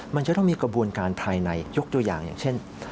มันจะต้องมีกระบวนการภายในยกตัวอย่างอย่างเช่น